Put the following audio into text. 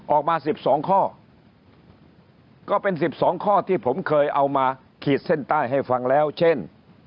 ออกมา๑๒ข้อก็เป็น๑๒ข้อที่ผมเคยเอามาขีดเส้นใต้ให้ฟังแล้วเช่น